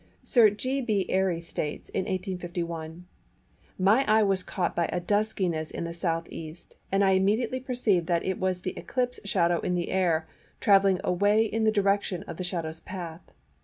Sir G. B. Airy states, in 1851, "My eye was caught by a duskiness in the S.E., and I immediately perceived that it was the Eclipse shadow in the air, travelling away in the direction of the shadow's path.